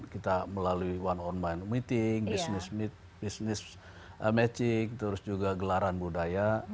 kita melalui one on mine meeting business matching terus juga gelaran budaya